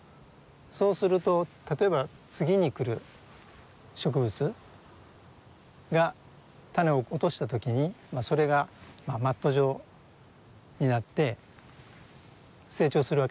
そうすると例えば次に来る植物が種を落とした時にそれがマット状になって成長するわけですね。